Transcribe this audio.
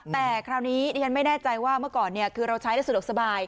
แต่คราวนี้ดิฉันไม่แน่ใจว่าเมื่อก่อนคือเราใช้ได้สะดวกสบาย